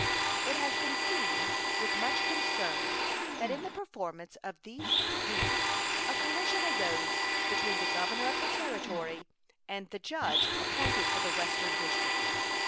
It has been seen with much concern that in the performance of these duties a collision arose between the governor of the Territory and the judge appointed for the western district.